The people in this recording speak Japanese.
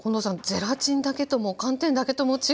ゼラチンだけとも寒天だけとも違う。